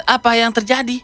apa yang terjadi